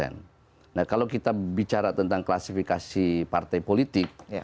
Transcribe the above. nah kalau kita bicara tentang klasifikasi partai politik